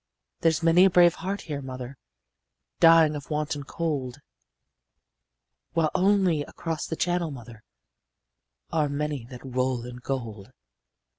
"'There's many a brave heart here, mother, Dying of want and cold, While only across the channel, mother, Are many that roll in gold.